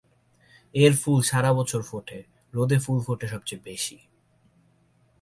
এর ফুল সারা বছর ফোটে রোদে ফুল ফোটে সবচেয়ে বেশি।